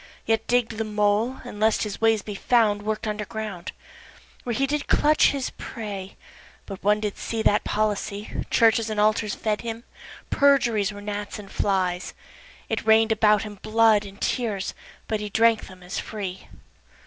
Yet digg'd the mole, and lest his ways be found Work'd under ground, Where he did clutch his prey, but one did see That policy, Churches and altars fed him, perjuries Were gnats and flies, It rain'd about him blood and tears, but he Drank them as free.